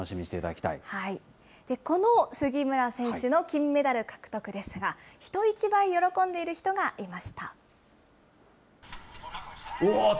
この杉村選手の金メダル獲得ですが、人一倍喜んでいる人がいました。